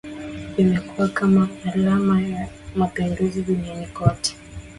Vimekuwa kama alama za mapinduzi duniani kote